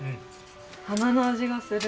花の味がする。